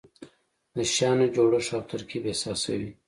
د شیانو جوړښت او ترکیب احساسوي.